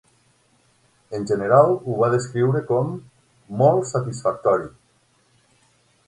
En general ho va descriure com "molt satisfactori".